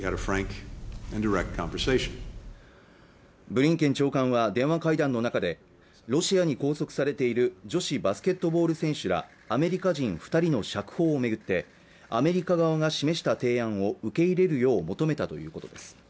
ブリンケン長官は電話会談の中でロシアに拘束されている女子バスケットボール選手らアメリカ人二人の釈放を巡ってアメリカ側が示した提案を受け入れるよう求めたということです